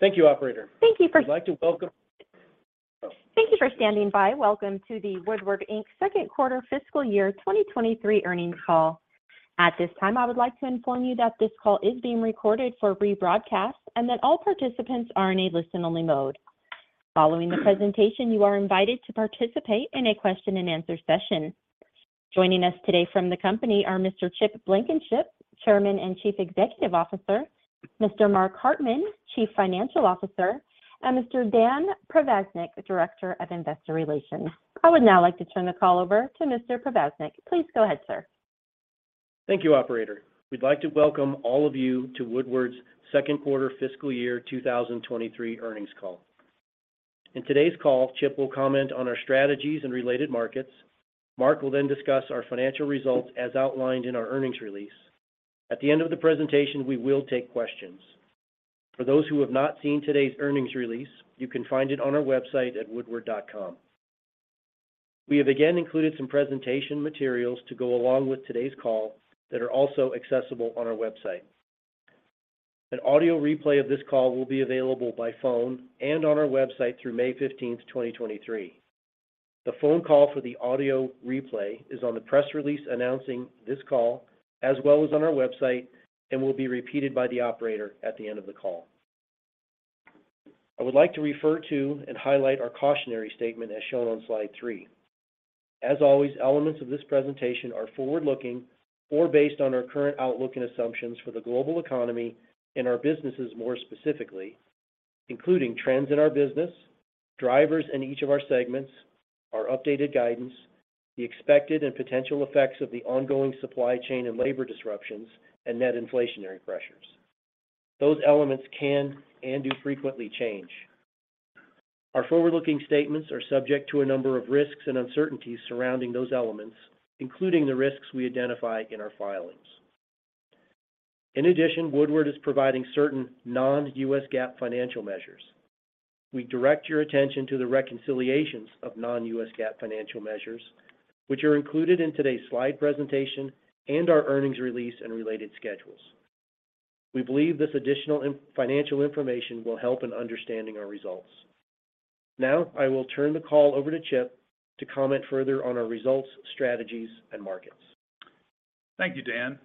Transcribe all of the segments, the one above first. Thank you, operator. Thank you for- We'd like to welcome- Thank you for standing by. Welcome to the Woodward, Inc.'s second quarter fiscal year 2023 earnings call. At this time, I would like to inform you that this call is being recorded for rebroadcast and that all participants are in a listen-only mode. Following the presentation, you are invited to participate in a question-and-answer session. Joining us today from the company are Mr. Chip Blankenship, Chairman and Chief Executive Officer; Mr. Mark Hartman, Chief Financial Officer; and Mr. Dan Provaznik, Director of Investor Relations. I would now like to turn the call over to Mr. Provaznik. Please go ahead, sir. Thank you, operator. We'd like to welcome all of you to Woodward's second quarter fiscal year 2023 earnings call. In today's call, Chip will comment on our strategies and related markets. Mark will discuss our financial results as outlined in our earnings release. At the end of the presentation, we will take questions. For those who have not seen today's earnings release, you can find it on our website at woodward.com. We have again included some presentation materials to go along with today's call that are also accessible on our website. An audio replay of this call will be available by phone and on our website through May 15, 2023. The phone call for the audio replay is on the press release announcing this call, as well as on our website and will be repeated by the operator at the end of the call. I would like to refer to and highlight our cautionary statement as shown on slide three. As always, elements of this presentation are forward-looking or based on our current outlook and assumptions for the global economy and our businesses more specifically, including trends in our business, drivers in each of our segments, our updated guidance, the expected and potential effects of the ongoing supply chain and labor disruptions, and net inflationary pressures. Those elements can and do frequently change. Our forward-looking statements are subject to a number of risks and uncertainties surrounding those elements, including the risks we identify in our filings. In addition, Woodward is providing certain non-US GAAP financial measures. We direct your attention to the reconciliations of non-US GAAP financial measures, which are included in today's slide presentation and our earnings release and related schedules. We believe this additional financial information will help in understanding our results. I will turn the call over to Chip to comment further on our results, strategies, and markets. Thank you, Dan,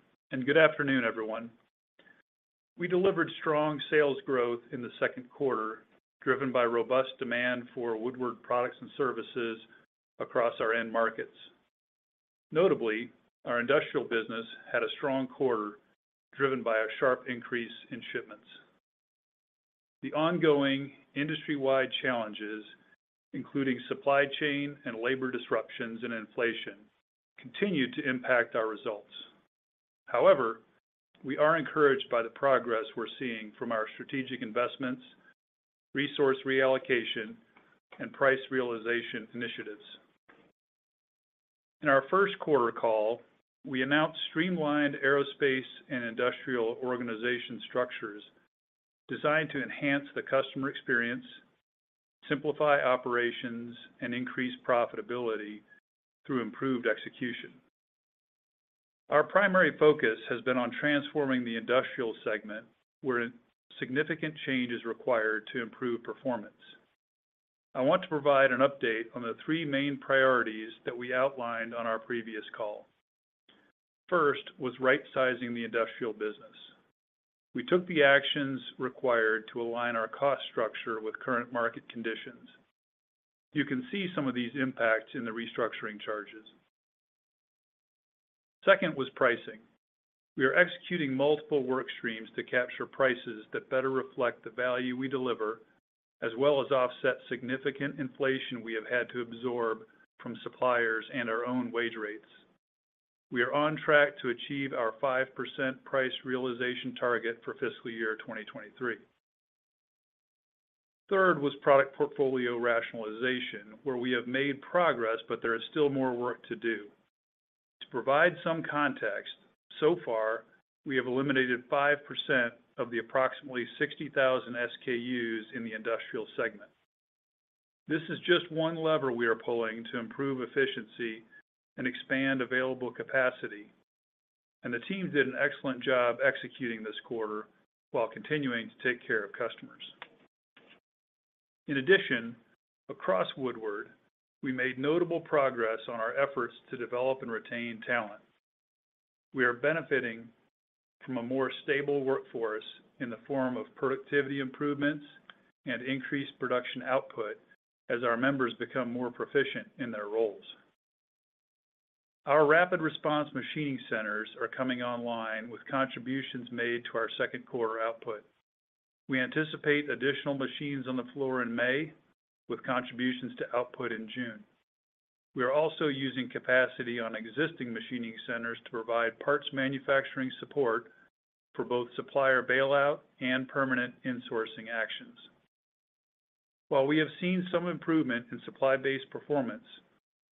good afternoon, everyone. We delivered strong sales growth in the second quarter, driven by robust demand for Woodward products and services across our end markets. Our industrial business had a strong quarter, driven by a sharp increase in shipments. The ongoing industry-wide challenges, including supply chain and labor disruptions and inflation, continue to impact our results. We are encouraged by the progress we're seeing from our strategic investments, resource reallocation, and price realization initiatives. In our first quarter call, we announced streamlined aerospace and industrial organization structures designed to enhance the customer experience, simplify operations, and increase profitability through improved execution. Our primary focus has been on transforming the industrial segment where a significant change is required to improve performance. I want to provide an update on the three main priorities that we outlined on our previous call. First was rightsizing the industrial business. We took the actions required to align our cost structure with current market conditions. You can see some of these impacts in the restructuring charges. Second was pricing. We are executing multiple work streams to capture prices that better reflect the value we deliver, as well as offset significant inflation we have had to absorb from suppliers and our own wage rates. We are on track to achieve our 5% price realization target for fiscal year 2023. Third was product portfolio rationalization, where we have made progress, but there is still more work to do. To provide some context, so far, we have eliminated 5% of the approximately 60,000 SKUs in the industrial segment. This is just one lever we are pulling to improve efficiency and expand available capacity, and the team did an excellent job executing this quarter while continuing to take care of customers. In addition, across Woodward, we made notable progress on our efforts to develop and retain talent. We are benefiting from a more stable workforce in the form of productivity improvements and increased production output as our members become more proficient in their roles. Our rapid response machining centers are coming online with contributions made to our second quarter output. We anticipate additional machines on the floor in May with contributions to output in June. We are also using capacity on existing machining centers to provide parts manufacturing support for both supplier bailout and permanent insourcing actions. While we have seen some improvement in supply-based performance,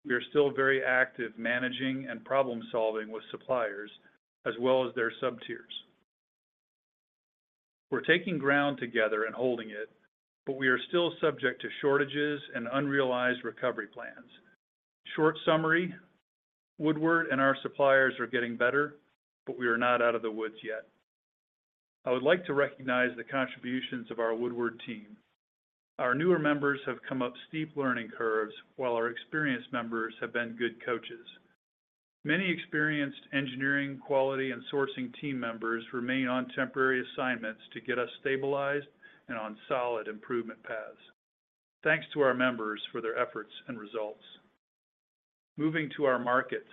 we are still very active managing and problem-solving with suppliers as well as their sub-tiers. We're taking ground together and holding it, but we are still subject to shortages and unrealized recovery plan. Short summary. Woodward and our suppliers are getting better, but we are not out of the woods yet. I would like to recognize the contributions of our Woodward team. Our newer members have come up steep learning curves while our experienced members have been good coaches. Many experienced engineering, quality, and sourcing team members remain on temporary assignments to get us stabilized and on solid improvement paths. Thanks to our members for their efforts and results. Moving to our markets.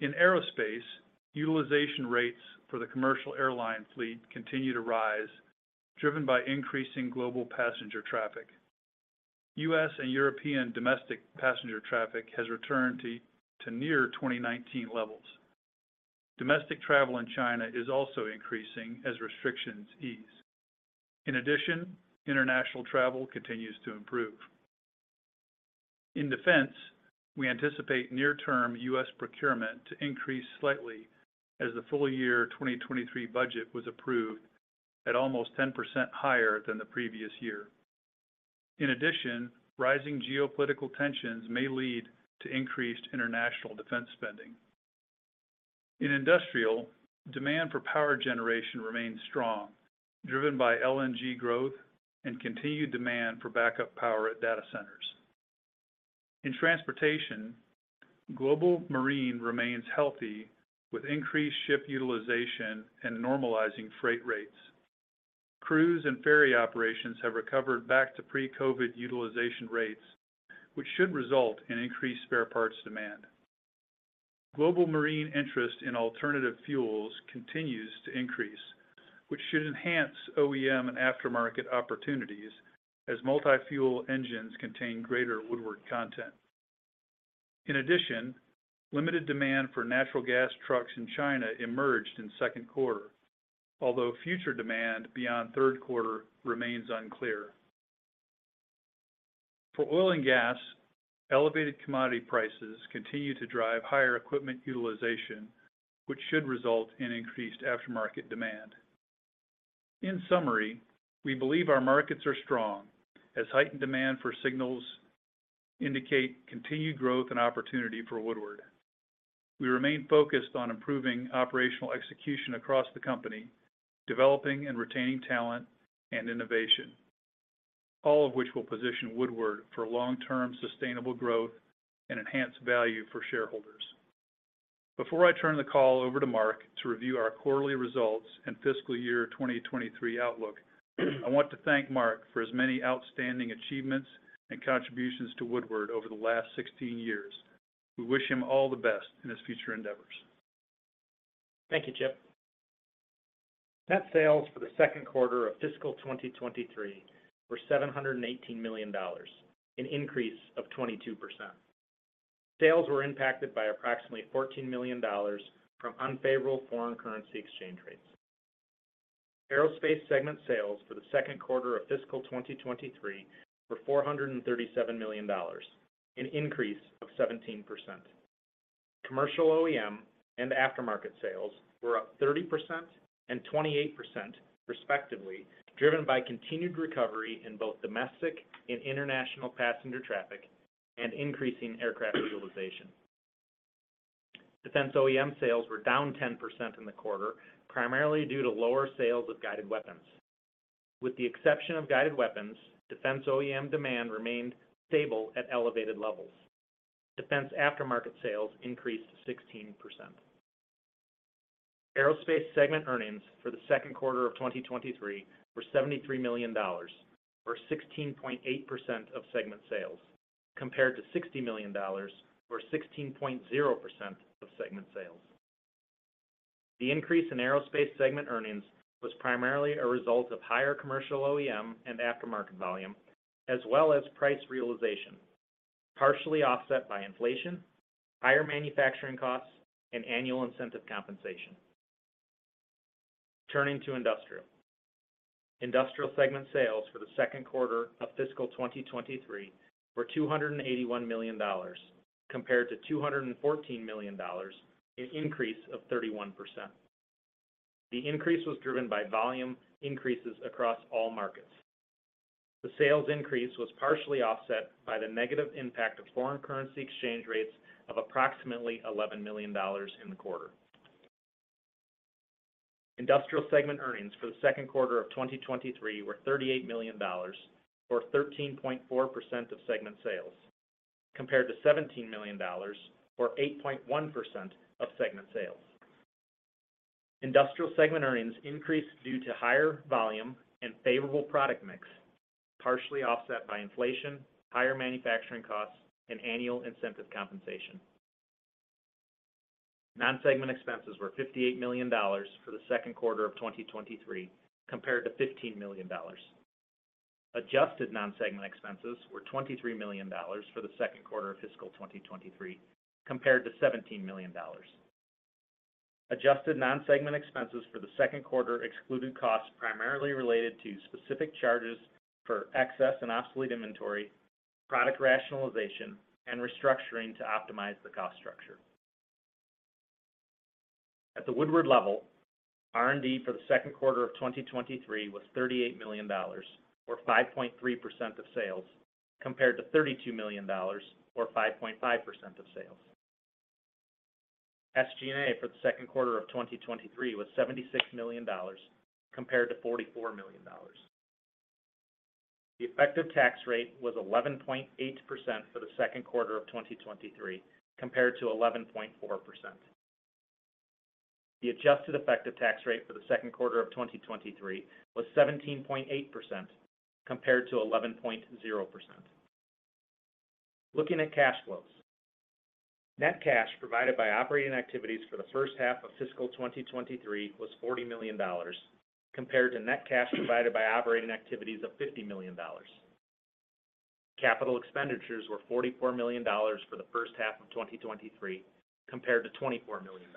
In aerospace, utilization rates for the commercial airline fleet continue to rise, driven by increasing global passenger traffic. U.S. and European domestic passenger traffic has returned to near 2019 levels. Domestic travel in China is also increasing as restrictions ease. International travel continues to improve. In defense, we anticipate near-term U.S. procurement to increase slightly as the full year 2023 budget was approved at almost 10% higher than the previous year. Rising geopolitical tensions may lead to increased international defense spending. In industrial, demand for power generation remains strong, driven by LNG growth and continued demand for backup power at data centers. In transportation, global marine remains healthy with increased ship utilization and normalizing freight rates. Cruise and ferry operations have recovered back to pre-COVID utilization rates, which should result in increased spare parts demand. Global marine interest in alternative fuels continues to increase, which should enhance OEM and aftermarket opportunities as multi-fuel engines contain greater Woodward content. In addition, limited demand for natural gas trucks in China emerged in second quarter, although future demand beyond third quarter remains unclear. For oil and gas, elevated commodity prices continue to drive higher equipment utilization, which should result in increased aftermarket demand. In summary, we believe our markets are strong as heightened demand for signals indicate continued growth and opportunity for Woodward. We remain focused on improving operational execution across the company, developing and retaining talent and innovation, all of which will position Woodward for long-term sustainable growth and enhanced value for shareholders. Before I turn the call over to Mark to review our quarterly results and fiscal year 2023 outlook, I want to thank Mark for his many outstanding achievements and contributions to Woodward over the last 16 years. We wish him all the best in his future endeavors. Thank you, Chip. Net sales for the second quarter of fiscal 2023 were $718 million, an increase of 22%. Sales were impacted by approximately $14 million from unfavorable foreign currency exchange rates. Aerospace segment sales for the second quarter of fiscal 2023 were $437 million, an increase of 17%. Commercial OEM and aftermarket sales were up 30% and 28% respectively, driven by continued recovery in both domestic and international passenger traffic and increasing aircraft utilization. Defense OEM sales were down 10% in the quarter, primarily due to lower sales of guided weapons. With the exception of guided weapons, defense OEM demand remained stable at elevated levels. Defense aftermarket sales increased 16%. Aerospace segment earnings for the second quarter of 2023 were $73 million, or 16.8% of segment sales, compared to $60 million, or 16.0% of segment sales. The increase in Aerospace segment earnings was primarily a result of higher commercial OEM and aftermarket volume, as well as price realization, partially offset by inflation, higher manufacturing costs and annual incentive compensation. Turning to Industrial. Industrial segment sales for the second quarter of fiscal 2023 were $281 million compared to $214 million, an increase of 31%. The increase was driven by volume increases across all markets. The sales increase was partially offset by the negative impact of foreign currency exchange rates of approximately $11 million in the quarter. Industrial segment earnings for the second quarter of 2023 were $38 million, or 13.4% of segment sales, compared to $17 million, or 8.1% of segment sales. Industrial segment earnings increased due to higher volume and favorable product mix, partially offset by inflation, higher manufacturing costs, and annual incentive compensation. Non-segment expenses were $58 million for the second quarter of 2023, compared to $15 million. Adjusted non-segment expenses were $23 million for the second quarter of fiscal 2023, compared to $17 million. Adjusted non-segment expenses for the second quarter excluded costs primarily related to specific charges for excess and obsolete inventory, product rationalization, and restructuring to optimize the cost structure. At the Woodward level, R&D for the second quarter of 2023 was $38 million, or 5.3% of sales, compared to $32 million, or 5.5% of sales. SG&A for the second quarter of 2023 was $76 million compared to $44 million. The effective tax rate was 11.8% for the second quarter of 2023, compared to 11.4%. The adjusted effective tax rate for the second quarter of 2023 was 17.8% compared to 11.0%. Looking at cash flows. Net cash provided by operating activities for the first half of fiscal 2023 was $40 million compared to net cash provided by operating activities of $50 million. Capital expenditures were $44 million for the first half of 2023 compared to $24 million.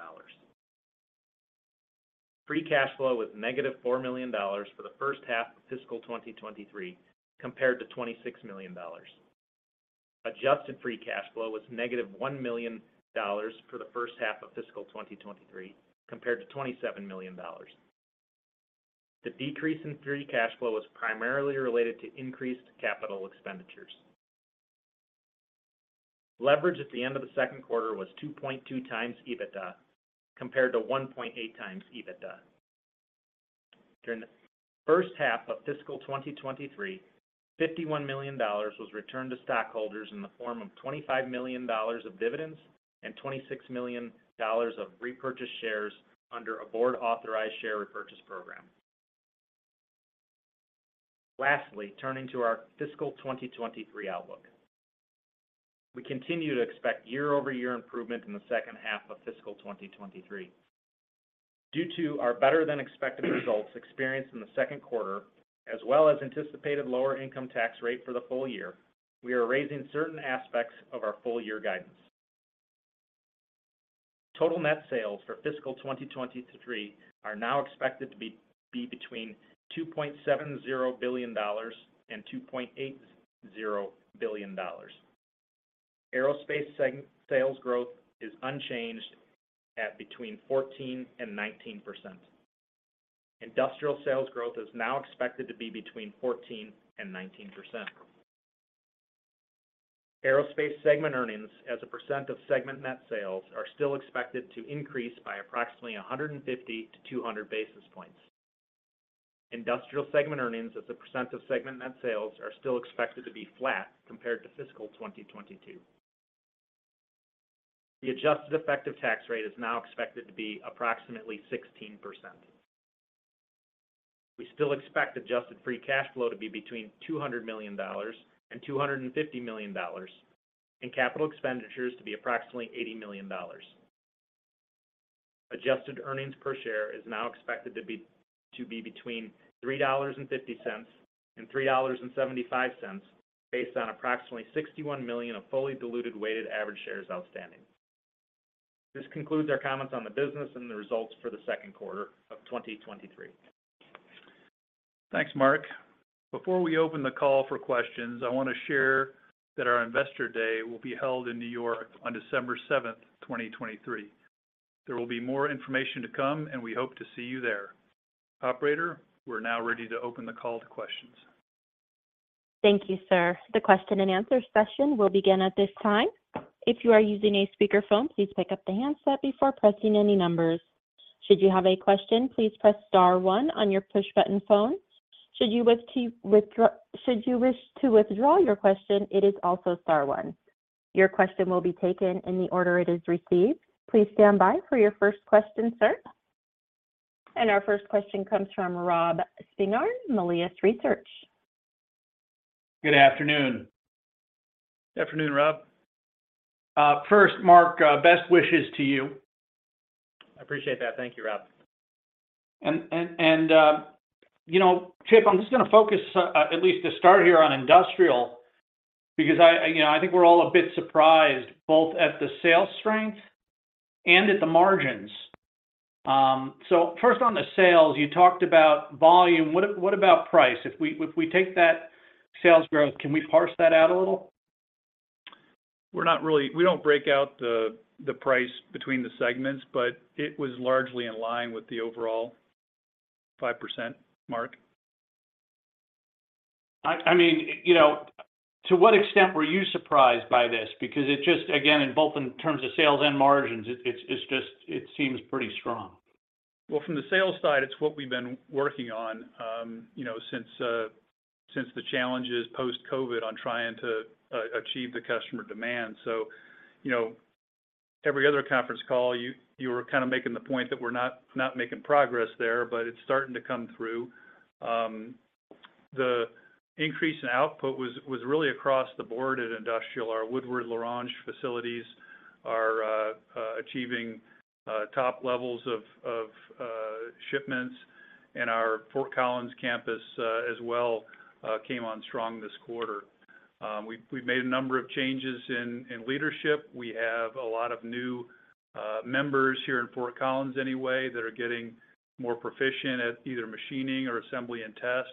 Free cash flow was negative $4 million for the first half of fiscal 2023 compared to $26 million. Adjusted free cash flow was negative $1 million for the first half of fiscal 2023 compared to $27 million. The decrease in free cash flow was primarily related to increased capital expenditures. Leverage at the end of the second quarter was 2.2x EBITDA compared to 1.8x EBITDA. During the first half of fiscal 2023, $51 million was returned to stockholders in the form of $25 million of dividends and $26 million of repurchased shares under a board-authorized share repurchase program. Lastly, turning to our fiscal 2023 outlook. We continue to expect year-over-year improvement in the second half of fiscal 2023. Due to our better-than-expected results experienced in the second quarter, as well as anticipated lower income tax rate for the full year, we are raising certain aspects of our full year guidance. Total net sales for fiscal 2023 are now expected to be between $2.70 billion and $2.80 billion. Aerospace sales growth is unchanged at between 14% and 19%. Industrial sales growth is now expected to be between 14% and 19%. Aerospace segment earnings as a % of segment net sales are still expected to increase by approximately 150-200 basis points. Industrial segment earnings as a % of segment net sales are still expected to be flat compared to fiscal 2022. The adjusted effective tax rate is now expected to be approximately 16%. We still expect adjusted free cash flow to be between $200 million and $250 million, and capital expenditures to be approximately $80 million. Adjusted earnings per share is now expected to be between $3.50 and $3.75, based on approximately 61 million of fully diluted weighted average shares outstanding. This concludes our comments on the business and the results for the second quarter of 2023. Thanks, Mark. Before we open the call for questions, I want to share that our Investor Day will be held in New York on December seventh, twenty twenty-three. There will be more information to come, and we hope to see you there. Operator, we're now ready to open the call to questions. Thank you, sir. The question and answer session will begin at this time. If you are using a speakerphone, please pick up the handset before pressing any numbers. Should you have a question, please press star one on your push-button phone. Should you wish to withdraw your question, it is also star one. Your question will be taken in the order it is received. Please stand by for your first question, sir. Our first question comes from Rob Spingarn, Melius Research. Good afternoon. Afternoon, Rob. first, Mark, best wishes to you. I appreciate that. Thank you, Rob. you know, Chip, I'm just gonna focus, at least to start here on industrial, because I, you know, I think we're all a bit surprised both at the sales strength and at the margins. First on the sales, you talked about volume. What about price? If we take that sales growth, can we parse that out a little? We don't break out the price between the segments, but it was largely in line with the overall 5% mark. I mean, you know, to what extent were you surprised by this? Because it just, again, in both in terms of sales and margins, it's just, it seems pretty strong. From the sales side, it's what we've been working on, you know, since the challenges post-COVID on trying to achieve the customer demand. You know, every other conference call, you were kind of making the point that we're not making progress there, but it's starting to come through. The increase in output was really across the board at industrial. Our Woodward L'Orange facilities are achieving top levels of shipments. Our Fort Collins campus as well came on strong this quarter. We've made a number of changes in leadership. We have a lot of new members here in Fort Collins anyway that are getting more proficient at either machining or assembly and test.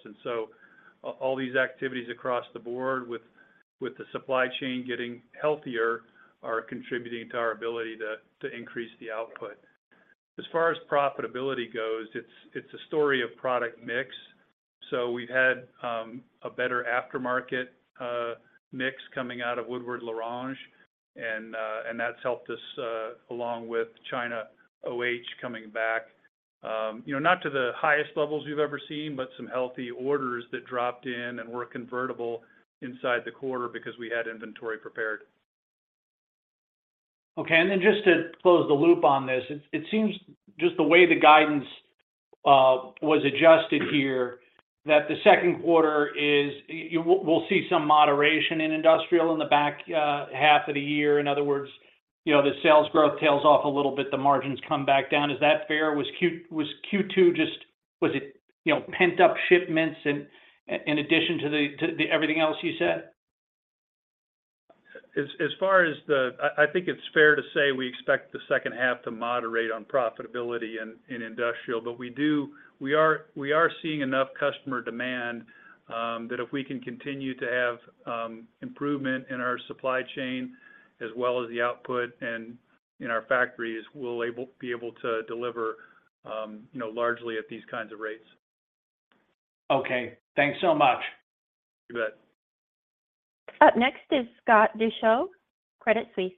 All these activities across the board with the supply chain getting healthier are contributing to our ability to increase the output. As far as profitability goes, it's a story of product mix. We've had a better aftermarket mix coming out of Woodward L'Orange, and that's helped us along with China OH coming back. You know, not to the highest levels we've ever seen, but some healthy orders that dropped in and were convertible inside the quarter because we had inventory prepared. Okay. Then just to close the loop on this, it seems just the way the guidance was adjusted here, that the second quarter is, we'll see some moderation in industrial in the back half of the year. In other words, you know, the sales growth tails off a little bit, the margins come back down. Is that fair? Was Q2 just, was it, you know, pent-up shipments in addition to the everything else you said? As far as the I think it's fair to say we expect the second half to moderate on profitability in industrial. We are seeing enough customer demand that if we can continue to have improvement in our supply chain as well as the output and in our factories, we'll be able to deliver, you know, largely at these kinds of rates. Okay. Thanks so much. You bet. Up next is Scott Deuschle, Credit Suisse.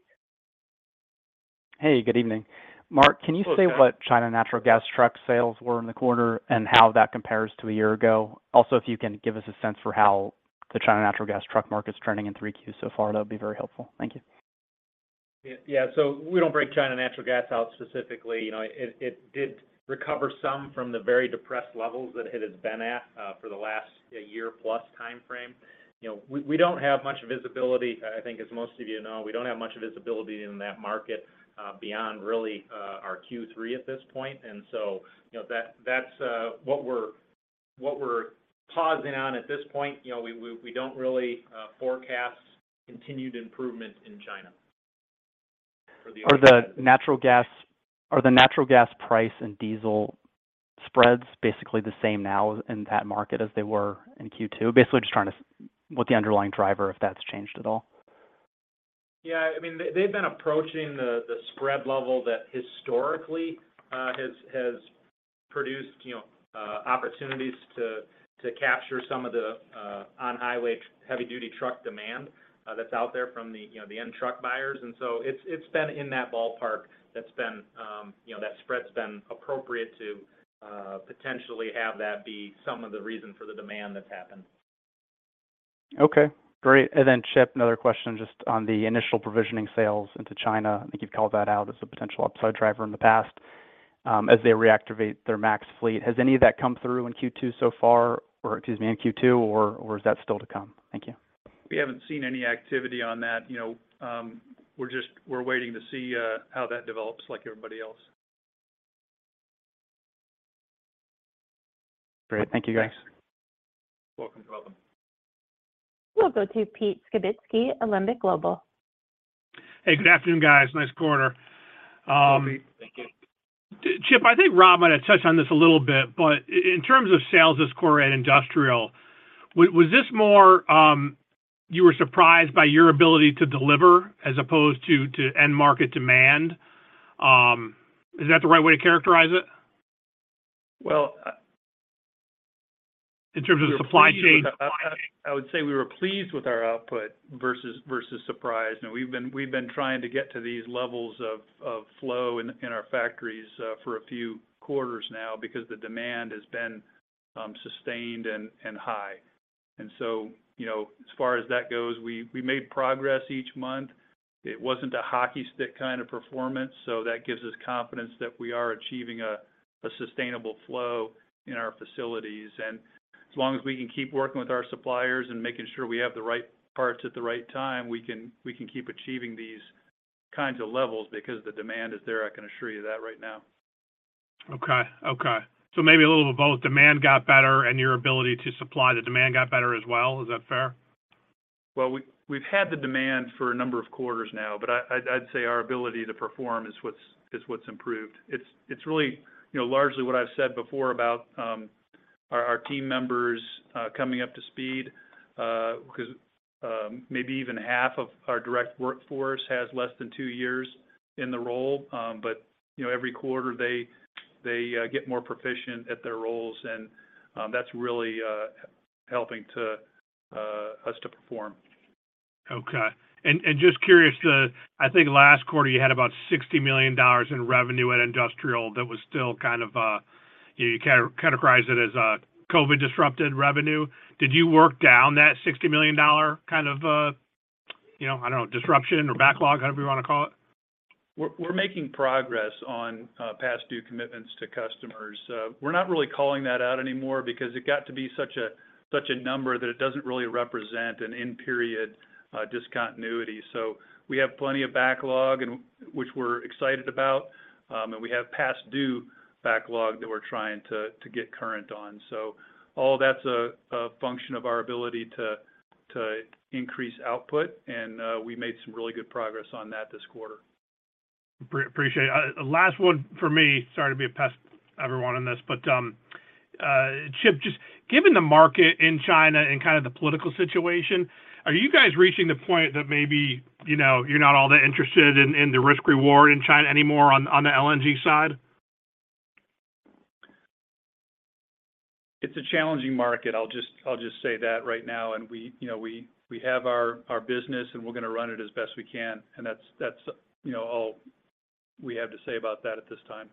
Hey, good evening. Hello, Scott can you say what China natural gas truck sales were in the quarter and how that compares to a year ago? If you can give us a sense for how the China natural gas truck market's turning in 3Q so far, that would be very helpful. Thank you. Yeah. We don't break China natural gas out specifically. You know, it did recover some from the very depressed levels that it has been at for the last year-plus timeframe. You know, we don't have much visibility. I think as most of you know, we don't have much visibility in that market beyond really our Q3 at this point. You know, that's what we're pausing on at this point. You know, we don't really forecast continued improvement in China for the- Are the natural gas price and diesel spreads basically the same now in that market as they were in Q2? Basically, just trying to what the underlying driver, if that's changed at all? Yeah, I mean, they've been approaching the spread level that historically has produced, you know, opportunities to capture some of the on-highway heavy-duty truck demand that's out there from the, you know, the end truck buyers. It's been in that ballpark that's been, you know, that spread's been appropriate to potentially have that be some of the reason for the demand that's happened. Okay, great. Chip, another question just on the initial provisioning sales into China. I think you've called that out as a potential upside driver in the past, as they reactivate their MAX fleet. Has any of that come through in Q2 so far? Excuse me, in Q2 or is that still to come? Thank you. We haven't seen any activity on that. You know, we're waiting to see, how that develops like everybody else. Great. Thank you, guys. Welcome. We'll go to Pete Skibitski, Alembic Global. Hey, good afternoon, guys. Nice quarter. Good afternoon, Pete. Thank you. Chip, I think Rob might have touched on this a little bit, but in terms of sales this quarter at Industrial, was this more you were surprised by your ability to deliver as opposed to end market demand? Is that the right way to characterize it? Well- In terms of supply chain. I would say we were pleased with our output versus surprised. You know, we've been trying to get to these levels of flow in our factories for a few quarters now because the demand has been sustained and high. You know, as far as that goes, we made progress each month. It wasn't a hockey stick kind of performance, so that gives us confidence that we are achieving a sustainable flow in our facilities. As long as we can keep working with our suppliers and making sure we have the right parts at the right time, we can keep achieving these kinds of levels because the demand is there, I can assure you that right now. Okay, okay. Maybe a little of both. Demand got better and your ability to supply the demand got better as well. Is that fair? We've had the demand for a number of quarters now, but I'd say our ability to perform is what's improved. It's really, you know, largely what I've said before about our team members coming up to speed 'cause maybe even half of our direct workforce has less than two years in the role. You know, every quarter they get more proficient at their roles, and that's really helping us to perform. Okay. Just curious, I think last quarter you had about $60 million in revenue at Industrial that was still kind of, you categorized it as COVID disrupted revenue. Did you work down that $60 million kind of, you know, I don't know, disruption or backlog, however you want to call it? We're making progress on past due commitments to customers. We're not really calling that out anymore because it got to be such a number that it doesn't really represent an in-period discontinuity. We have plenty of backlog which we're excited about, and we have past due backlog that we're trying to get current on. All that's a function of our ability to increase output, and we made some really good progress on that this quarter. Appreciate it. Last one for me. Sorry to be a pest, everyone, on this. Chip, just given the market in China and kind of the political situation, are you guys reaching the point that maybe, you know, you're not all that interested in the risk reward in China anymore on the LNG side? It's a challenging market. I'll just say that right now. We, you know, we have our business, and we're gonna run it as best we can, and that's, you know, all we have to say about that at this time.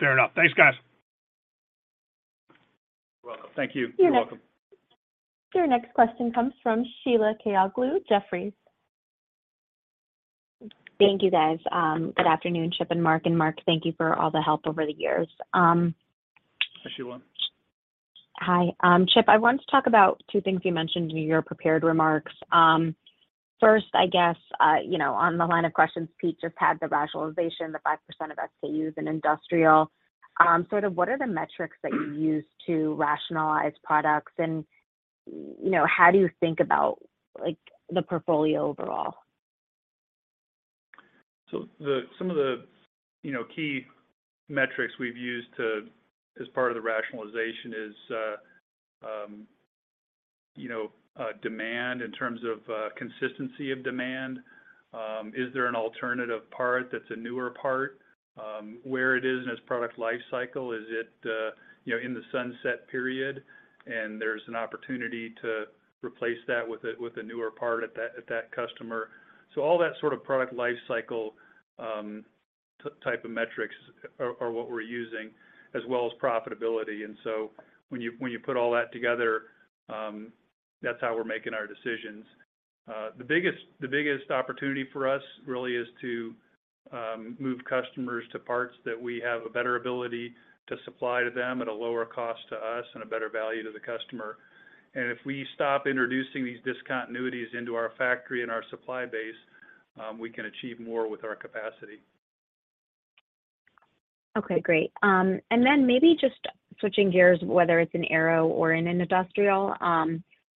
Fair enough. Thanks, guys. You're welcome. Thank you. Your n- You're welcome. Your next question comes from Sheila Kahyaoglu, Jefferies. Thank you, guys. Good afternoon, Chip and Mark. Mark, thank you for all the help over the years. Hi, Sheila. Hi. Chip, I wanted to talk about two things you mentioned in your prepared remarks. First, I guess, you know, on the line of questions Pete just had, the rationalization, the 5% of SKUs in industrial, sort of what are the metrics that you use to rationalize products? You know, how do you think about, like, the portfolio overall? The, some of the, you know, key metrics we've used to, as part of the rationalization is, you know, demand in terms of consistency of demand. Is there an alternative part that's a newer part? Where it is in its product life cycle? Is it, you know, in the sunset period, and there's an opportunity to replace that with a newer part at that customer? All that sort of product life cycle type of metrics are what we're using as well as profitability. When you put all that together, that's how we're making our decisions. The biggest opportunity for us really is to move customers to parts that we have a better ability to supply to them at a lower cost to us and a better value to the customer. If we stop introducing these discontinuities into our factory and our supply base, we can achieve more with our capacity. Okay. Great. Then maybe just switching gears, whether it's in aero or in industrial,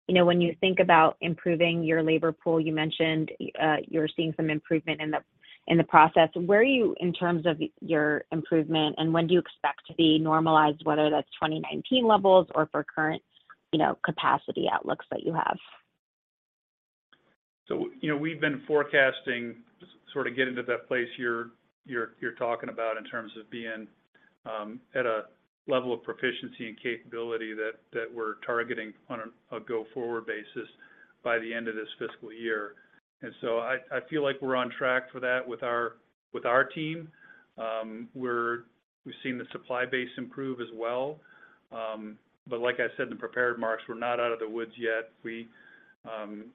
you know, when you think about improving your labor pool, you mentioned, you're seeing some improvement in the, in the process. Where are you in terms of your improvement, and when do you expect to be normalized, whether that's 2019 levels or for current, you know, capacity outlooks that you have? You know, we've been forecasting to sort of get into that place you're talking about in terms of being at a level of proficiency and capability that we're targeting on a go-forward basis by the end of this fiscal year. I feel like we're on track for that with our team. We've seen the supply base improve as well. Like I said in the prepared remarks, we're not out of the woods yet. We,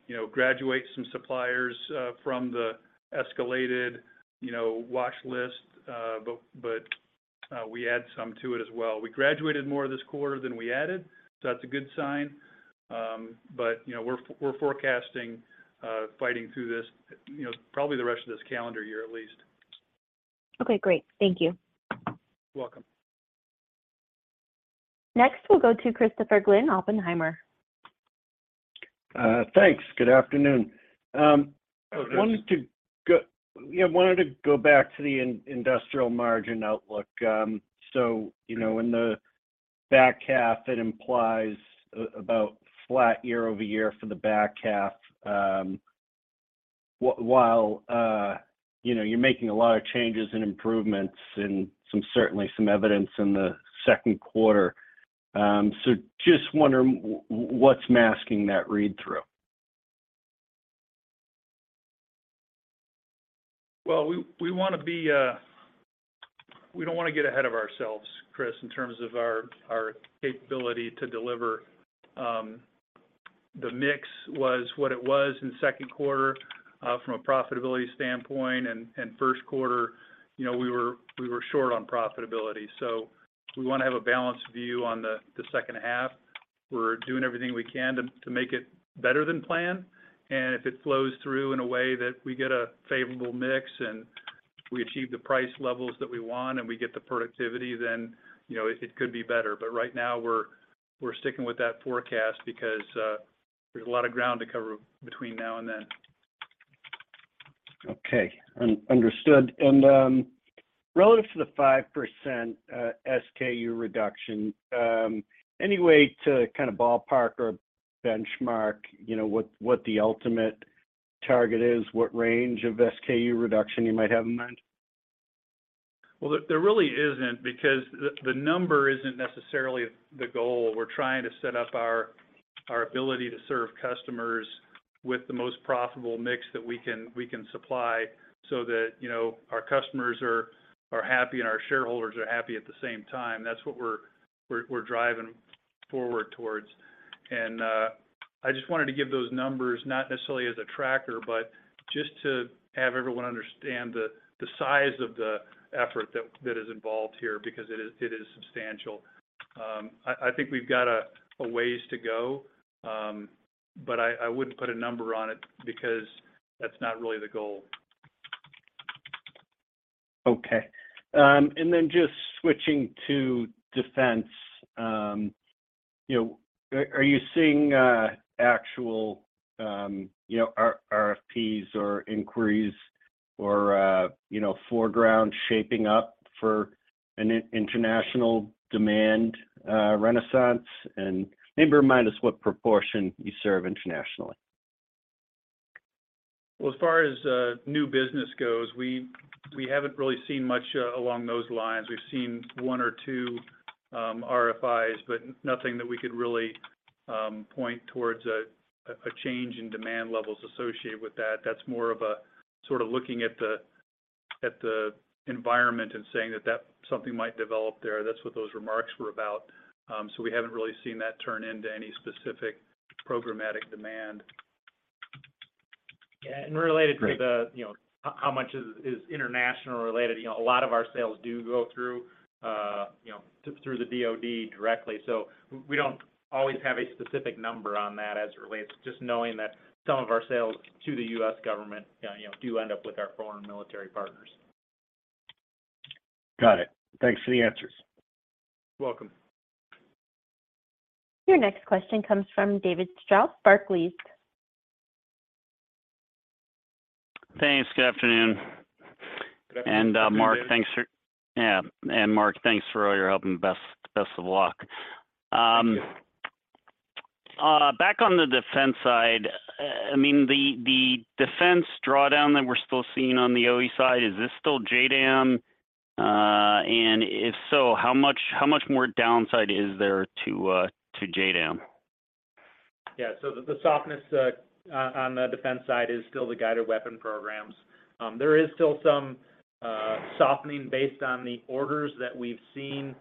you know, graduate some suppliers from the escalated, you know, watch list. We add some to it as well. We graduated more this quarter than we added, so that's a good sign. You know, we're forecasting fighting through this, you know, probably the rest of this calendar year at least. Okay. Great. Thank you. You're welcome. Next, we'll go to Christopher Glynn, Oppenheimer. Thanks. Good afternoon. Yes... wanted to yeah, wanted to go back to the industrial margin outlook. You know, in the back half, it implies about flat year-over-year for the back half, while, you know, you're making a lot of changes and improvements and some, certainly some evidence in the second quarter. Just wondering what's masking that read-through? We don't wanna get ahead of ourselves, Chris, in terms of our capability to deliver. The mix was what it was in second quarter from a profitability standpoint. First quarter, you know, we were short on profitability. We wanna have a balanced view on the second half. We're doing everything we can to make it better than planned. If it flows through in a way that we get a favorable mix, and we achieve the price levels that we want, and we get the productivity, you know, it could be better. Right now we're sticking with that forecast because there's a lot of ground to cover between now and then. Okay. understood. Relative to the 5% SKU reduction, any way to kind of ballpark or benchmark, you know, what the ultimate target is? What range of SKU reduction you might have in mind? Well, there really isn't because the number isn't necessarily the goal. We're trying to set up our ability to serve customers with the most profitable mix that we can supply so that, you know, our customers are happy and our shareholders are happy at the same time. That's what we're driving forward towards. I just wanted to give those numbers, not necessarily as a tracker, but just to have everyone understand the size of the effort that is involved here because it is substantial. I think we've got a ways to go. I wouldn't put a number on it because that's not really the goal. Okay. You know, are you seeing actual, you know, RFPs or inquiries or, you know, foreground shaping up for an international demand renaissance? Maybe remind us what proportion you serve internationally. Well, as far as new business goes, we haven't really seen much along those lines. We've seen one or two RFIs, but nothing that we could really point towards a change in demand levels associated with that. That's more of a sort of looking at the environment and saying that something might develop there. That's what those remarks were about. We haven't really seen that turn into any specific programmatic demand. Yeah, related to. Great... you know, how much is international related. You know, a lot of our sales do go through, you know, through the D.O.D. directly. We don't always have a specific number on that as it relates, just knowing that some of our sales to the U.S. government, you know, do end up with our foreign military partners. Got it. Thanks for the answers. You're welcome. Your next question comes from David Strauss, Barclays. Thanks. Good afternoon. Good afternoon, David. Mark, thanks for all your help, and best of luck. Thank you. Back on the defense side, I mean, the defense drawdown that we're still seeing on the OE side, is this still JDAM? If so, how much more downside is there to JDAM? The softness on the defense side is still the guided weapon programs. There is still some softening based on the orders that we've seen,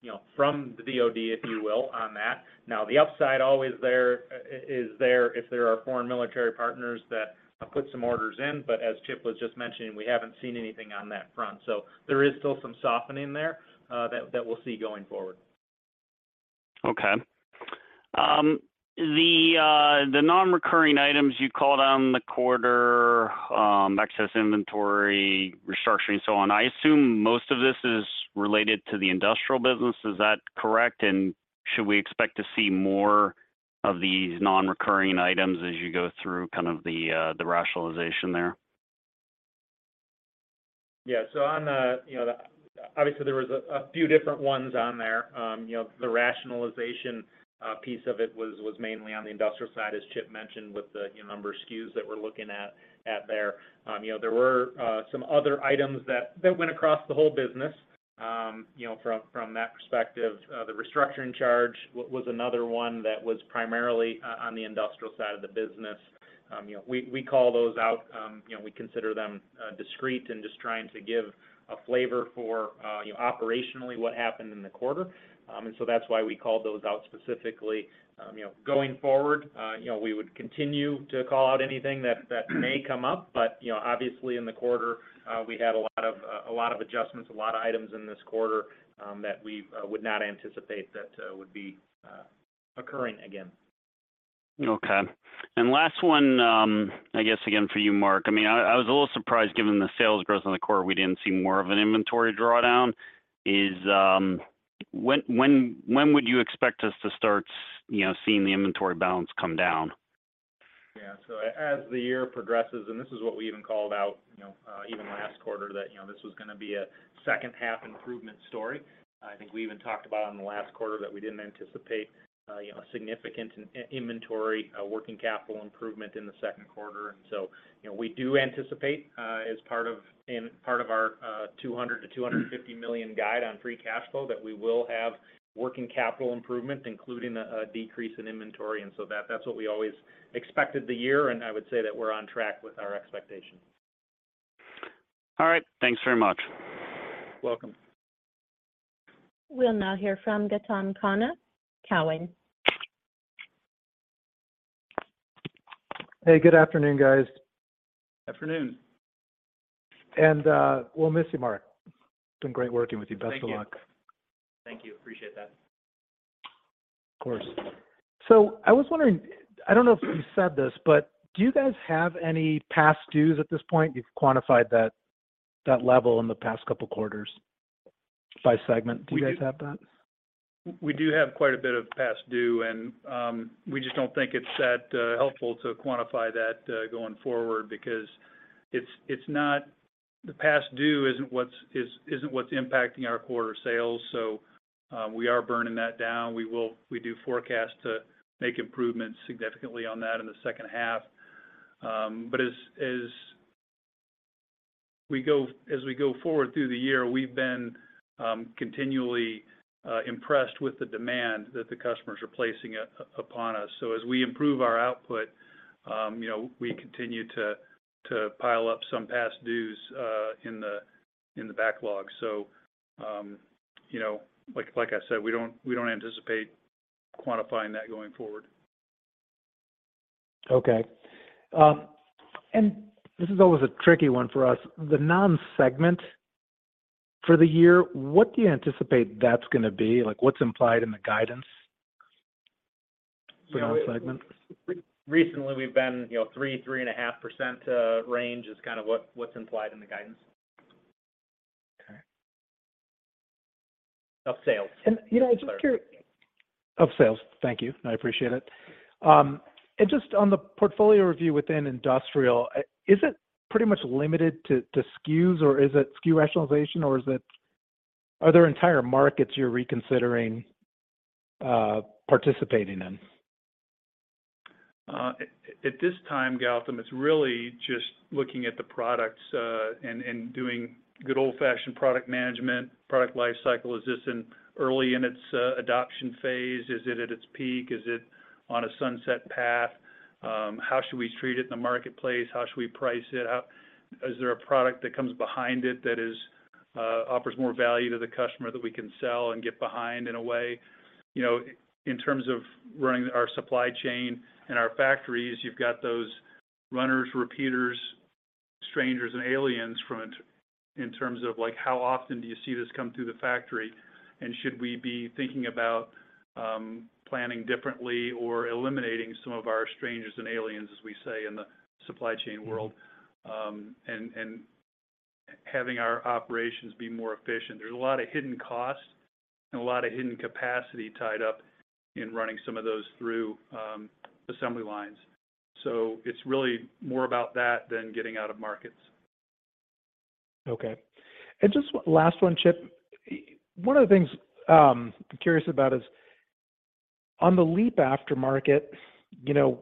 you know, from the DOD, if you will, on that. The upside always is there if there are foreign military partners that put some orders in, but as Chip was just mentioning, we haven't seen anything on that front. There is still some softening there that we'll see going forward. The non-recurring items you called on the quarter, excess inventory, restructuring, so on. I assume most of this is related to the industrial business. Is that correct? Should we expect to see more of these non-recurring items as you go through kind of the rationalization there? On the, you know, Obviously, there was a few different ones on there. You know, the rationalization piece of it was mainly on the industrial side, as Chip mentioned, with the, you know, number of SKUs that we're looking at there. You know, there were some other items that went across the whole business, you know, from that perspective. The restructuring charge was another one that was primarily on the industrial side of the business. You know, we call those out, you know, we consider them discrete and just trying to give a flavor for, you know, operationally what happened in the quarter. That's why we called those out specifically. You know, going forward, you know, we would continue to call out anything that may come up. You know, obviously in the quarter, we had a lot of, a lot of adjustments, a lot of items in this quarter, that we would not anticipate that would be occurring again. Okay. Last one, I guess, again, for you, Mark. I mean, I was a little surprised given the sales growth in the quarter we didn't see more of an inventory drawdown. When would you expect us to start, you know, seeing the inventory balance come down? Yeah. As the year progresses, this is what we even called out, you know, even last quarter that, you know, this was gonna be a second half improvement story. I think we even talked about in the last quarter that we didn't anticipate, you know, a significant inventory working capital improvement in the second quarter. You know, we do anticipate, as part of our $200 million-$250 million guide on free cash flow, that we will have working capital improvement, including a decrease in inventory. That's what we always expected the year, and I would say that we're on track with our expectations. All right. Thanks very much. You're welcome. We'll now hear from Gautam Khanna, Cowen. Hey, good afternoon, guys. Afternoon. We'll miss you, Mark. It's been great working with you. Thank you. Best of luck. Thank you. Appreciate that. Of course. I was wondering, I don't know if you said this, but do you guys have any past dues at this point? You've quantified that level in the past couple quarters by segment. We do. Do you guys have that? We do have quite a bit of past due, we just don't think it's that helpful to quantify that going forward because the past due isn't what's impacting our quarter sales, so we are burning that down. We do forecast to make improvements significantly on that in the second half. As we go forward through the year, we've been continually impressed with the demand that the customers are placing upon us. As we improve our output, you know, we continue to pile up some past dues in the backlog. You know, like I said, we don't, we don't anticipate quantifying that going forward. Okay. This is always a tricky one for us. The non-segment for the year, what do you anticipate that's gonna be? Like, what's implied in the guidance for non-segment? Yeah. recently we've been, you know, 3%-3.5% range is kind of what's implied in the guidance. Okay. Of sales. You know, I'm just curious. Sorry. Of sales. Thank you. I appreciate it. Just on the portfolio review within industrial, is it pretty much limited to SKUs, or is it SKU rationalization, or are there entire markets you're reconsidering, participating in? At this time, Gautam, it's really just looking at the products, and doing good old-fashioned product management, product life cycle. Is this in early in its adoption phase? Is it at its peak? Is it on a sunset path? How should we treat it in the marketplace? How should we price it? Is there a product that comes behind it that offers more value to the customer that we can sell and get behind in a way? You know, in terms of running our supply chain and our factories, you've got those runners, repeaters, strangers, and aliens from it in terms of, like, how often do you see this come through the factory, and should we be thinking about planning differently or eliminating some of our strangers and aliens, as we say in the supply chain world. Mm-hmm... and having our operations be more efficient. There's a lot of hidden costs and a lot of hidden capacity tied up in running some of those through, assembly lines. It's really more about that than getting out of markets. Okay. Just one last one, Chip. One of the things, I'm curious about is on the LEAP aftermarket, you know,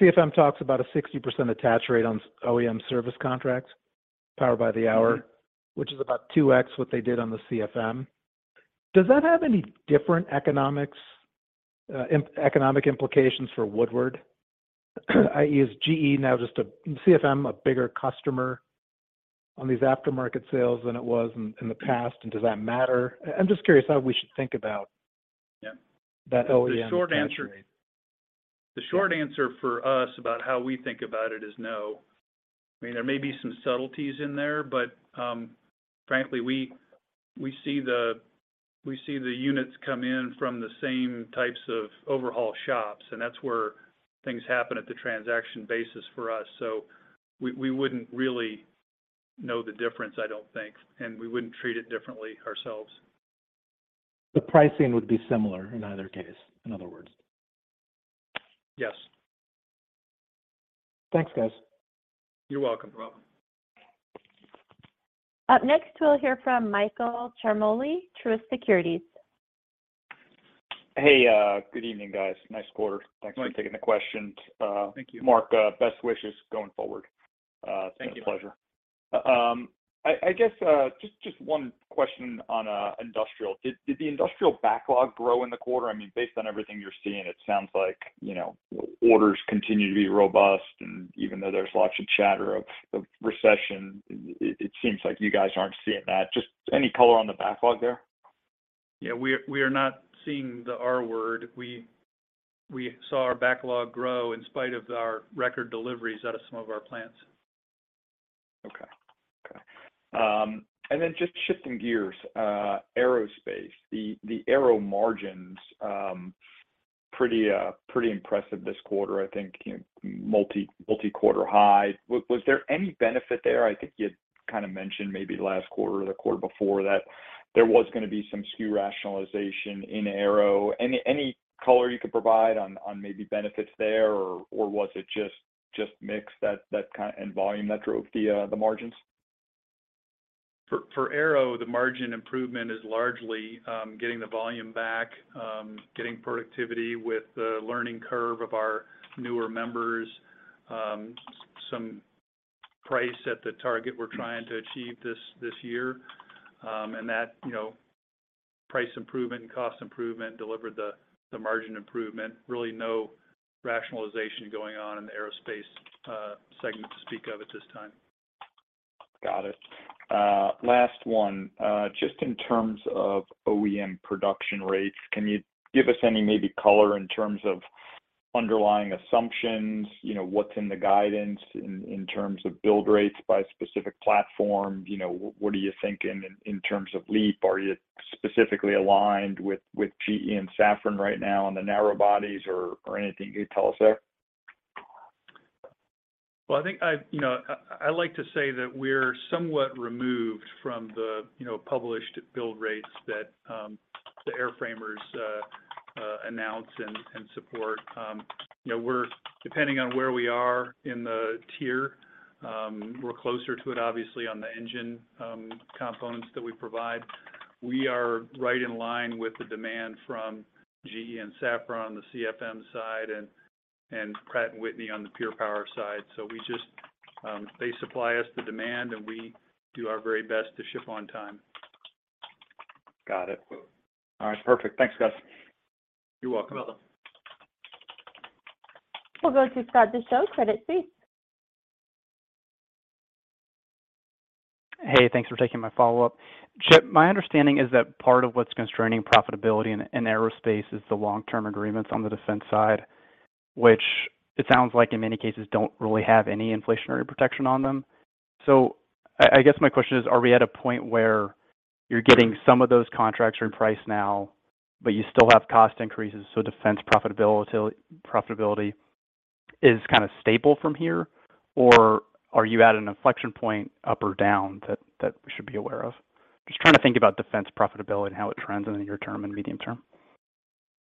CFM talks about a 60% attach rate on OEM service contracts, Power by the Hour- Mm-hmm which is about 2x what they did on the CFM. Does that have any different economics, economic implications for Woodward? I.e., is GE now just a CFM, a bigger customer on these aftermarket sales than it was in the past, and does that matter? I'm just curious how we should think about... Yeah... that OEM attach rate. The short answer. Yeah the short answer for us about how we think about it is no. I mean, there may be some subtleties in there, but frankly, we see the units come in from the same types of overhaul shops, and that's where things happen at the transaction basis for us. We wouldn't really know the difference, I don't think, and we wouldn't treat it differently ourselves. The pricing would be similar in either case, in other words. Yes. Thanks, guys. You're welcome. No problem. Up next, we'll hear from Michael Ciarmoli, Truist Securities. Hey, good evening, guys. Nice quarter. Thanks. Thanks for taking the questions. Thank you. Mark, best wishes going forward. Thank you, Michael. it's been a pleasure. I guess, just one question on industrial. Did the industrial backlog grow in the quarter? I mean, based on everything you're seeing, it sounds like, you know, orders continue to be robust, and even though there's lots of chatter of recession, it seems like you guys aren't seeing that. Just any color on the backlog there? Yeah. We are not seeing the R word. We saw our backlog grow in spite of our record deliveries out of some of our plants. Okay. Okay. Then just shifting gears, aerospace. The aero margins, pretty impressive this quarter, I think, you know, multi-quarter high. Was there any benefit there? I think you'd kind of mentioned maybe last quarter or the quarter before that there was gonna be some SKU rationalization in aero. Any color you could provide on maybe benefits there, or was it just mix that and volume that drove the margins? For aero, the margin improvement is largely getting the volume back, getting productivity with the learning curve of our newer members, some price at the target we're trying to achieve this year. That, you know, price improvement and cost improvement delivered the margin improvement. Really no rationalization going on in the aerospace segment to speak of at this time. Got it. Last one. Just in terms of OEM production rates, can you give us any maybe color in terms of underlying assumptions, you know, what's in the guidance in terms of build rates by specific platform? You know, what are you thinking in terms of LEAP? Are you specifically aligned with GE and Safran right now on the narrow bodies or anything you can tell us there? Well, I think I've, you know, I like to say that we're somewhat removed from the, you know, published build rates that the airframers announce and support. You know, depending on where we are in the tier, we're closer to it, obviously, on the engine components that we provide. We are right in line with the demand from GE and Safran on the CFM side and Pratt & Whitney on the PurePower side. We just, they supply us the demand, and we do our very best to ship on time. Got it. All right. Perfect. Thanks, guys. You're welcome. No problem. We'll go to Scott Deuschle, Credit Suisse. Hey, thanks for taking my follow-up. Chip, my understanding is that part of what's constraining profitability in aerospace is the long-term agreements on the defense side, which it sounds like in many cases don't really have any inflationary protection on them. I guess my question is, are we at a point where you're getting some of those contracts repriced now, but you still have cost increases, so defense profitability?... is kind of stable from here, or are you at an inflection point up or down that we should be aware of? Just trying to think about defense profitability and how it trends in the near term and medium term.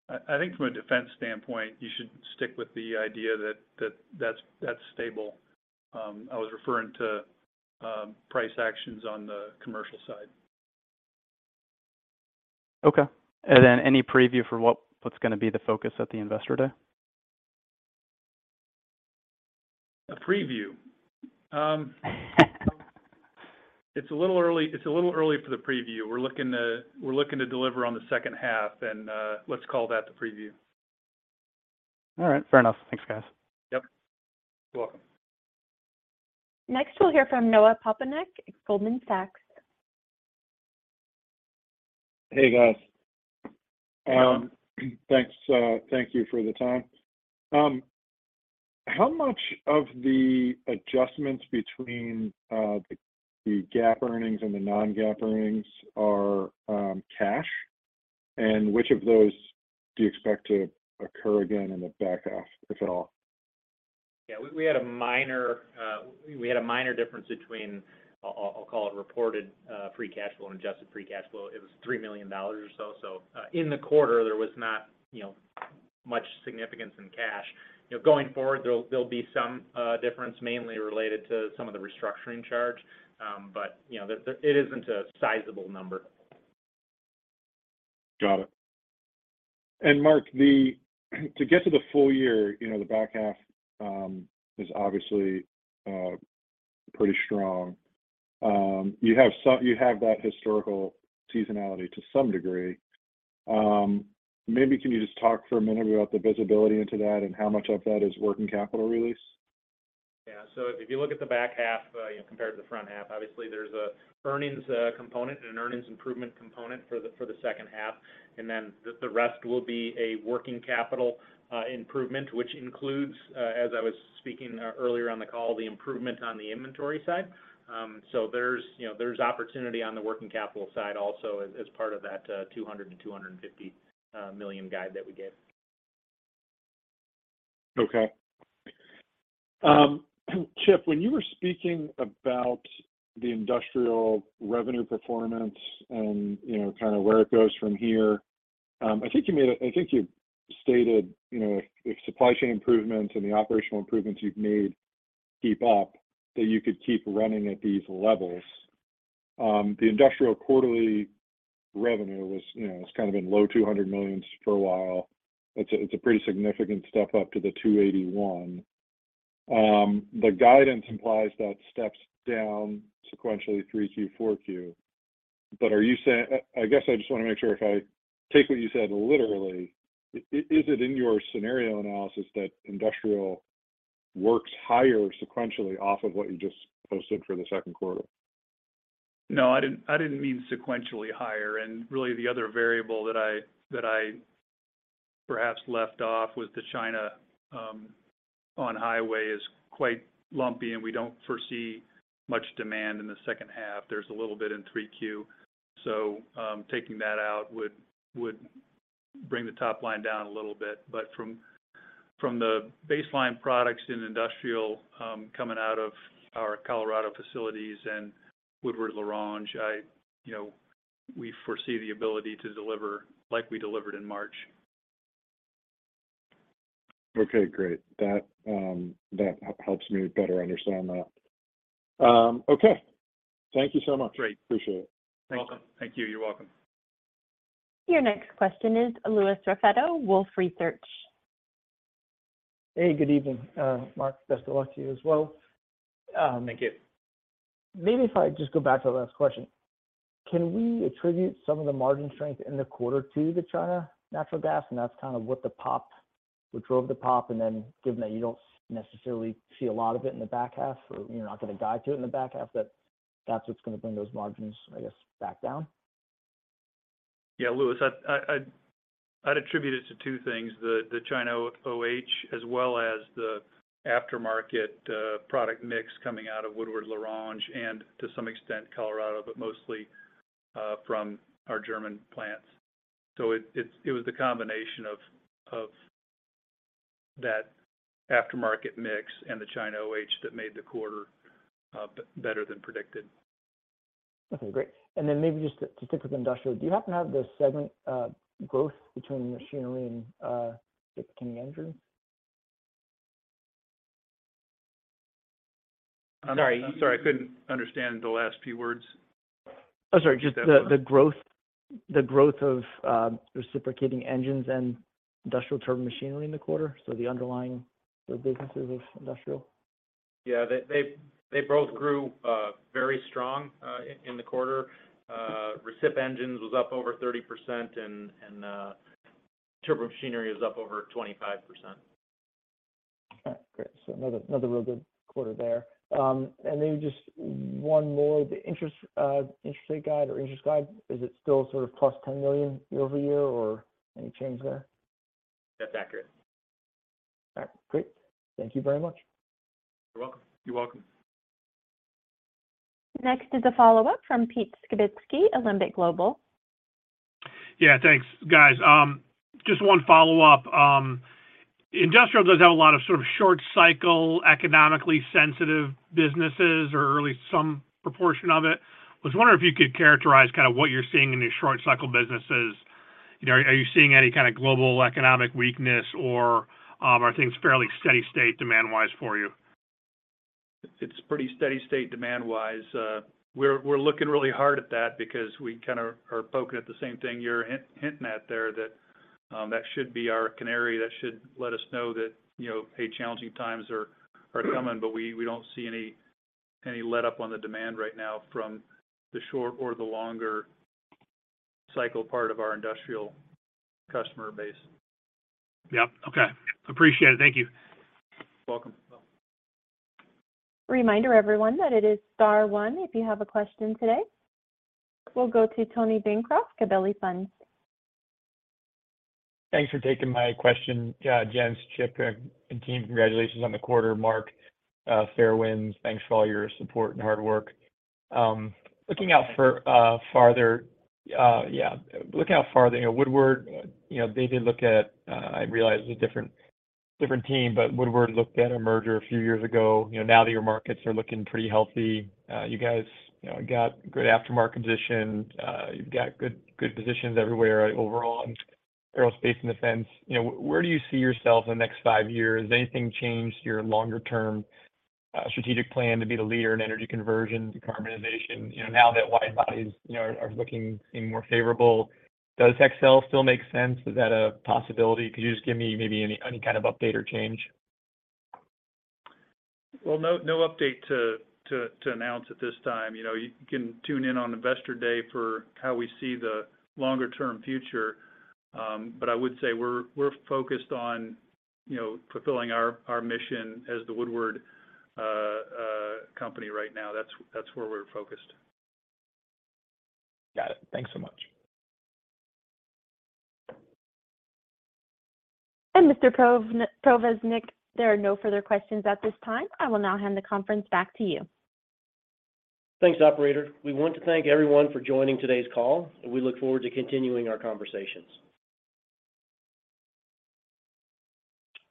I think from a defense standpoint, you should stick with the idea that that's stable. I was referring to price actions on the commercial side. Okay. what's gonna be the focus at the investor day? A preview. It's a little early for the preview. We're looking to deliver on the second half and, let's call that the preview. All right. Fair enough. Thanks, guys. Yep. You're welcome. Next, we'll hear from Noah Poponak, Goldman Sachs. Hey, guys. Thanks, thank you for the time. How much of the adjustments between the GAAP earnings and the non-GAAP earnings are cash? Which of those do you expect to occur again in the back half, if at all? We had a minor, we had a minor difference between I'll call it reported free cash flow and adjusted free cash flow. It was $3 million or so. In the quarter, there was not, you know, much significance in cash. You know, going forward, there'll be some difference mainly related to some of the restructuring charge. you know, it isn't a sizable number. Got it. Mark, to get to the full year, you know, the back half, is obviously, pretty strong. You have that historical seasonality to some degree. Maybe can you just talk for a minute about the visibility into that and how much of that is working capital release? If you look at the back half, you know, compared to the front half, obviously there's a earnings component and an earnings improvement component for the second half. The rest will be a working capital improvement, which includes, as I was speaking earlier on the call, the improvement on the inventory side. So there's, you know, there's opportunity on the working capital side also as part of that $200 million-$250 million guide that we gave. Okay. Chip, when you were speaking about the industrial revenue performance and, you know, kind of where it goes from here, I think you stated, you know, if supply chain improvements and the operational improvements you've made keep up, that you could keep running at these levels. The industrial quarterly revenue was, you know, it's kind of been low $200 million for a while. It's a, it's a pretty significant step up to the $281 million. The guidance implies that steps down sequentially 3Q, 4Q. I guess I just wanna make sure if I take what you said literally, is it in your scenario analysis that industrial works higher sequentially off of what you just posted for the second quarter? No, I didn't mean sequentially higher. Really the other variable that I perhaps left off was the China on-highway is quite lumpy, and we don't foresee much demand in the second half. There's a little bit in 3Q. Taking that out would bring the top line down a little bit. From the baseline products in industrial, coming out of our Colorado facilities and Woodward L'Orange, I, you know, we foresee the ability to deliver like we delivered in March. Okay, great. That helps me better understand that. Okay. Thank you so much. Great. Appreciate it. Welcome. Thank you. You're welcome. Your next question is Louis Raffetto, Wolfe Research. Hey, good evening. Mark, best of luck to you as well. Thank you. Maybe if I just go back to the last question, can we attribute some of the margin strength in the quarter to the China natural gas, and that's kind of what which drove the pop and then given that you don't necessarily see a lot of it in the back half, or you're not gonna guide to it in the back half, that that's what's gonna bring those margins, I guess, back down? Louis, I'd attribute it to two things. The China OH, as well as the aftermarket product mix coming out of Woodward L'Orange and to some extent Colorado, but mostly from our German plants. It was the combination of that aftermarket mix and the China OH that made the quarter better than predicted. Okay, great. Then maybe just to stick with industrial, do you happen to have the segment growth between machinery and reciprocating engines? I'm sorry. Sorry, I couldn't understand the last few words. Oh, sorry. Just the growth of reciprocating engines and industrial turbine machinery in the quarter. The underlying businesses of industrial. Yeah. They both grew very strong in the quarter. Recip engines was up over 30%, and turbomachinery was up over 25%. All right, great. Another real good quarter there. Maybe just one more. The interest rate guide or interest guide, is it still sort of +$10 million year-over-year, or any change there? That's accurate. All right, great. Thank you very much. You're welcome. You're welcome. Next is a follow-up from Pete Skibitski, Alembic Global. Thanks guys. Just one follow-up. Industrial does have a lot of sort of short cycle, economically sensitive businesses, or at least some proportion of it. I was wondering if you could characterize kind of what you're seeing in these short cycle businesses. You know, are you seeing any kind of global economic weakness or, are things fairly steady-state demand-wise for you? It's pretty steady state demand-wise. We're looking really hard at that because we kind of are poking at the same thing you're hinting at there, that should be our canary. That should let us know that, you know, hey, challenging times are coming, but we don't see any letup on the demand right now from the short or the longer cycle part of our industrial customer base. Yep. Okay. Appreciate it. Thank you. You're welcome. Reminder everyone that it is star one if you have a question today. We'll go to Tony Bancroft, Gabelli Funds. Thanks for taking my question, gents, Chip and team. Congratulations on the quarter mark. Fair winds. Thanks for all your support and hard work. Looking out farther, yeah, looking out farther, you know, Woodward, you know, they did look at, I realize it's a different team, but Woodward looked at a merger a few years ago. You know, now that your markets are looking pretty healthy, you guys, you know, got good aftermarket position. You've got good positions everywhere overall in aerospace and defense. You know, where do you see yourself in the next five years? Has anything changed your longer term strategic plan to be the leader in energy conversion, decarbonization? You know, now that wide bodies, you know, are looking more favorable, does Hexcel still make sense? Is that a possibility? Could you just give me maybe any kind of update or change? Well, no update to announce at this time. You know, you can tune in on Investor Day for how we see the longer term future. I would say we're focused on, you know, fulfilling our mission as the Woodward company right now. That's where we're focused. Got it. Thanks so much. Mr. Provaznik, there are no further questions at this time. I will now hand the conference back to you. Thanks, operator. We want to thank everyone for joining today's call, and we look forward to continuing our conversations.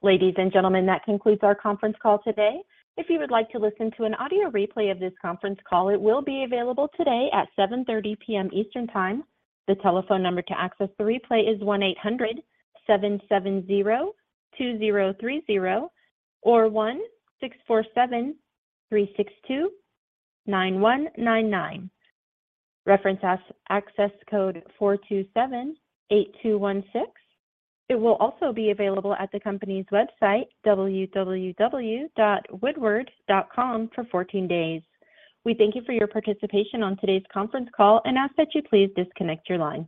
Ladies and gentlemen, that concludes our conference call today. If you would like to listen to an audio replay of this conference call, it will be available today at 7:30 P.M. Eastern Time. The telephone number to access the replay is 1-800-770-2030 or 1-647-362-9199. Reference access code 4278216. It will also be available at the company's website, www.woodward.com, for 14 days. We thank you for your participation on today's conference call and ask that you please disconnect your line.